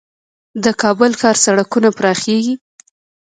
د کابل ښار سړکونه پراخیږي؟